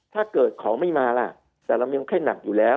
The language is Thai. ถ้าเกิดของไม่มาล่ะแต่เรามีไข้หนักอยู่แล้ว